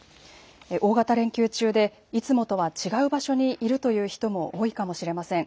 大型連休中でいつもとは違う場所にいるという人も多いかもしれません。